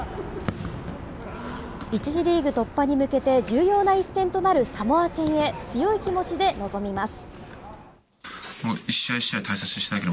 １次リーグ突破に向けて重要な一戦となるサモア戦へ、強い気持ちで臨みます。